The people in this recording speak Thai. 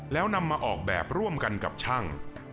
แล้วนำมาออกแบบร่วมกันกับช่าง